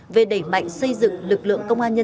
về đẩy mạnh xây dựng lực lượng công an trung ương